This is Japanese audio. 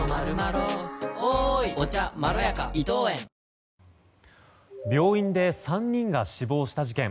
ニトリ病院で３人が死亡した事件。